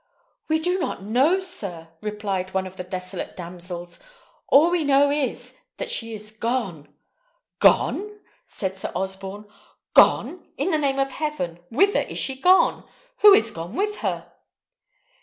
"We do not know, sir," replied one of the desolate damsels. "All that we know is, that she is gone." "Gone!" cried Sir Osborne. "Gone! In the name of heaven, whither is she gone? Who is gone with her?"